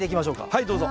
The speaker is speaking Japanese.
はいどうぞ。